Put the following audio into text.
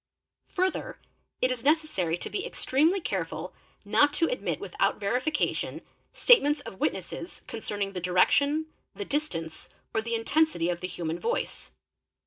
Further it is necessary to be ex — tremely careful not to admit without verification statements of witnesses concerning the direction, the distance, or the intensity of the human voice.